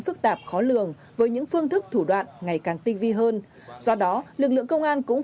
phức tạp khó lường với những phương thức thủ đoạn ngày càng tinh vi hơn do đó lực lượng công an cũng